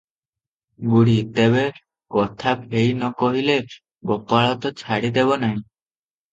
ବୁଢୀ - ତେବେ, କଥା ଫେଇ ନ କହିଲେ ଗୋପାଳ ତ ଛାଡ଼ି ଦେବ ନାହିଁ ।